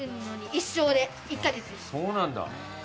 そうなんだ。